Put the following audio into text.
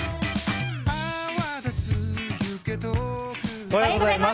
おはようございます。